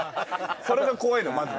それが怖いの、まじで。